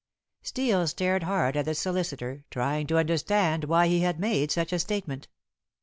Steel stared hard at the solicitor, trying to understand why he had made such a statement.